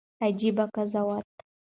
عجيبه قضاوت